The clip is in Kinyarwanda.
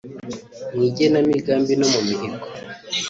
mu igenamigambi no mu mihigo